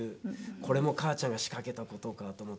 これも母ちゃんが仕掛けた事かと思ったらね。